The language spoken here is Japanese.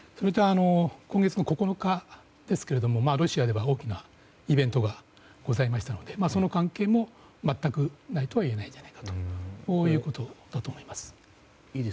今月の９日ですけどロシアでは大きなイベントがございましたのでその関係も全くないとはいえないんじゃないかということだと思います。